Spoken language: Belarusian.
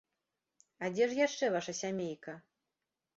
А дзе ж яшчэ ваша сямейка?